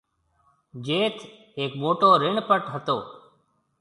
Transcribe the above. جيٿ هيڪ موٽو رڻ پَٽ هتو۔